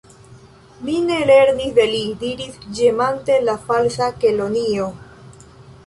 "Mi ne lernis de li," diris ĝemante la Falsa Kelonio.